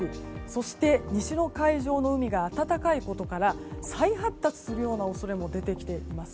そして、西の海上の海が暖かいことから再発達する恐れも出てきています。